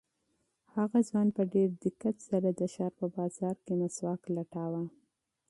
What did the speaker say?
هغه ځوان په ډېر دقت سره د ښار په بازار کې مسواک لټاوه.